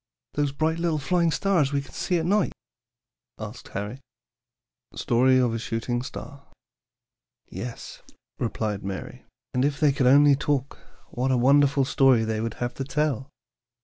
"Those bright little flying stars we can see at night?" asked Harry. STORY OF A SHOOTING STAR. "Yes," replied Mary; "and if they could only talk, what a wonderful story they would have to tell!